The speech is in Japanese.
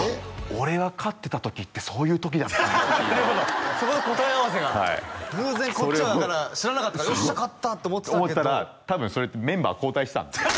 俺が勝ってた時ってそういう時だったんだっていうのをそこで答え合わせが偶然こっちは知らなかったからよっしゃ勝ったって思ってたけど多分そうやってメンバー交代してたんですよ